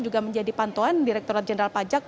juga menjadi pantauan direkturat jenderal pajak